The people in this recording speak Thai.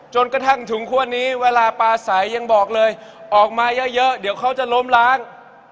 จนกระทั่งถึงคั่วนี้เวลาปลาใสยังบอกเลยออกมาเยอะเดี๋ยวเขาจะล้มล้าง